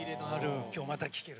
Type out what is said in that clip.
今日、また聴ける。